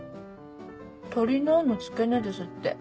鶏の尾の付け根ですって。